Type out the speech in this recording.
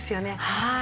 はい。